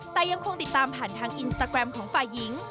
แต่ยังคงติดตามผ่านทางอินสตาแกรมของฝ่ายหญิง